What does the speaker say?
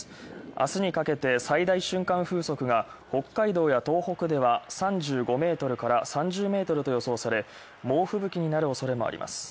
あすにかけて、最大瞬間風速が、北海道や東北では、３５メートルから３０メートルと予想され、猛吹雪になる恐れもあります。